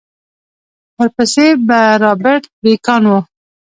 ورپسې به رابرټ بېکان و.